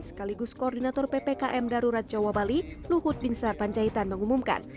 sekaligus koordinator ppkm darurat jawa bali luhut binsar panjaitan mengumumkan